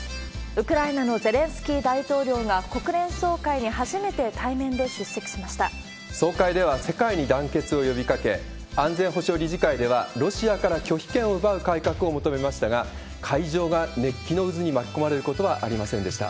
ウクライナのゼレンスキー大統領が国連総会に初めて対面で出席し総会では、世界に団結を呼びかけ、安全保障理事会では、ロシアから拒否権を奪う改革を求めましたが、会場が熱気の渦に巻き込まれることはありませんでした。